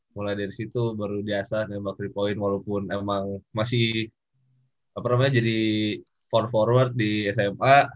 mulai dari situ baru biasa nembak ke point walaupun emang masih apa namanya jadi power forward di sma